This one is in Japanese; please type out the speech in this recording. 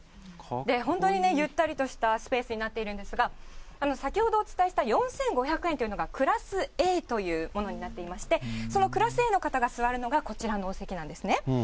本当にね、ゆったりとしたスペースになっているんですが、先ほどお伝えした４５００円というのが、クラスＡというものになっていまして、そのクラスＡの方が座るのがこちらのお席なんですね。